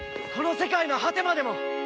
この世界の果てまでも！